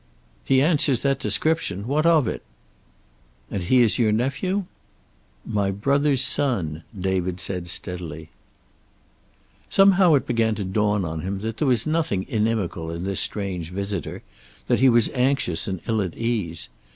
"He answers that description. What of it?" "And he is your nephew?" "My brother's son," David said steadily. Somehow it began to dawn on him that there was nothing inimical in this strange visitor, that he was anxious and ill at ease.